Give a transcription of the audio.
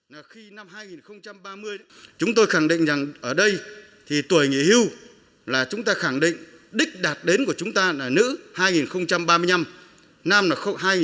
năm hai nghìn ba mươi chúng tôi khẳng định rằng ở đây tuổi nghỉ hưu là chúng ta khẳng định đích đạt đến của chúng ta là nữ hai nghìn ba mươi năm nam là hai nghìn hai mươi chín